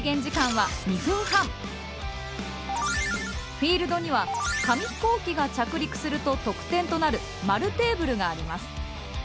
フィールドには紙ヒコーキが着陸すると得点となる丸テーブルがあります。